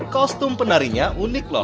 kostum penarinya unik loh